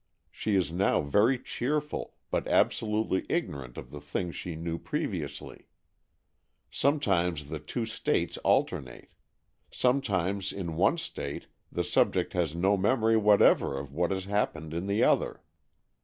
She is now very cheerful, but absolutely ignorant of the things she knew previously. Sometimes the two states alternate. Sometimes in one state the subject has no memory whatever of what has happened in the other.